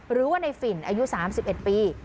หรือว่าในฝิ่นอายุ๓๑ปี